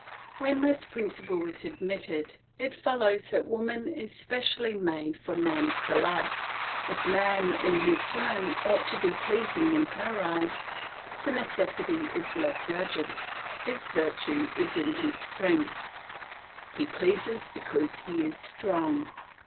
When this principle is admitted, it follows that woman is specially made for man's delight. If man in his turn ought to be pleasing in her eyes, the necessity is less urgent, his virtue is in his strength, he pleases because he is strong.